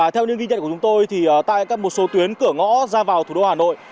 theo những ghi nhận của chúng tôi thì tại một số tuyến cửa ngõ ra vào thủ đô hà nội